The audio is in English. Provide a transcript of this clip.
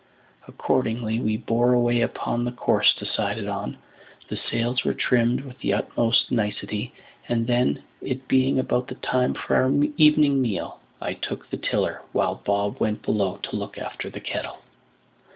Accordingly we bore away upon the course decided on; the sails were trimmed with the utmost nicety, and then, it being about the time for our evening meal, I took the tiller, while Bob went below to look after the kettle.